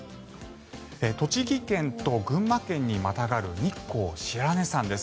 栃木県と群馬県にまたがる日光白根山です。